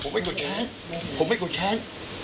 ผมไม่กดแค้นผมไม่กดแค้น